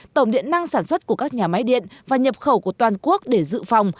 tổng điện năng sản xuất của các nhà máy điện và nhập khẩu của toàn quốc để dự phòng